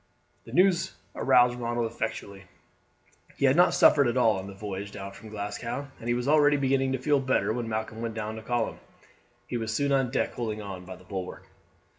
The news aroused Ronald effectually. He had not suffered at all on the voyage down from Glasgow, and he was already beginning to feel better when Malcolm went down to call him. He was soon on deck holding on by the bulwark.